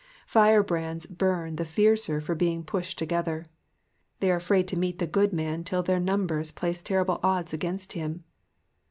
'*'* Firebrands burn the fiercer for being pushed together. They are afraid to meet the good man till their numbers place terrible odds against him.